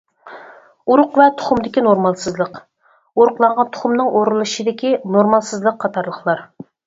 ئۇرۇق ۋە تۇخۇمدىكى نورمالسىزلىق، ئۇرۇقلانغان تۇخۇمنىڭ ئورۇنلىشىشىدىكى نورمالسىزلىق قاتارلىقلار.